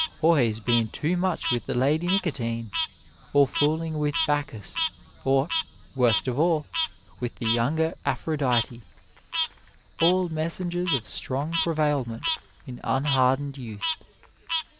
Or he has been too much with the Lady Nicotine, or fooling with Bac chus, or, worst of all, with the younger Aphrodite all "messen gers of strong prevailment in unhardened youth."